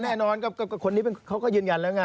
แน่นอนก็คนนี้เขาก็ยืนยันแล้วไง